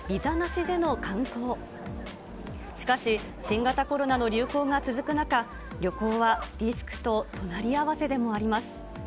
しかし、新型コロナの流行が続く中、旅行はリスクと隣り合わせでもあります。